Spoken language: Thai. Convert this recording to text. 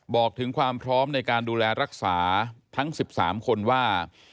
บอกถึงความพร้อมในการดูแลรักษาทั้ง๑๓คนว่า